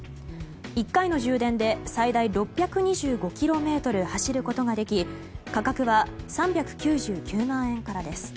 １回の充電で最大６２５ｋｍ走ることができ価格は３９９万円からです。